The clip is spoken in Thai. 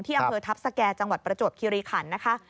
อำเภอทัพสแก่จังหวัดประจวบคิริขันนะคะ